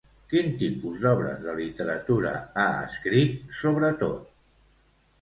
Quin tipus d'obres de literatura ha escrit, sobretot?